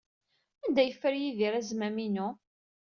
Anda ay yeffer Yidir azmam-inu?